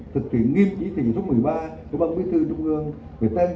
thực hiện nghiêm chỉ thị số một mươi ba của ban bí thư trung ương